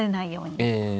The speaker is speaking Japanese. ええ。